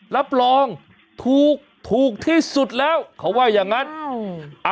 รับรองถูกถูกที่สุดแล้วเขาว่าอย่างงั้นอืม